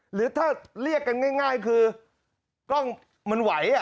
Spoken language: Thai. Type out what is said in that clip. หรือถ้าเรียกกันง่ายคือกล้องมันไหว